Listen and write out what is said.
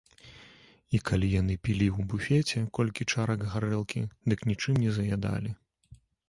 І калі яны пілі ў буфеце колькі чарак гарэлкі, дык нічым не заядалі.